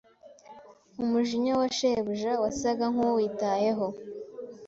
Umujinya wa Shebuja wasaga nkuwiyitayeho